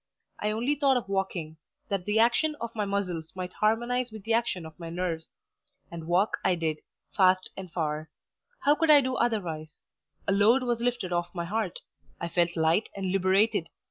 I only thought of walking, that the action of my muscles might harmonize with the action of my nerves; and walk I did, fast and far. How could I do otherwise? A load was lifted off my heart; I felt light and liberated.